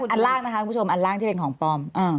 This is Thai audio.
อันล่างที่เป็นของปลอม